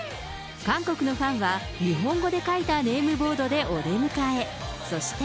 韓国のファンは、日本語で書いたネームボードでお出迎え。